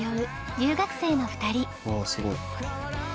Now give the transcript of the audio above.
わあすごい。